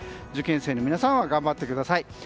受験生の皆さんは頑張ってください。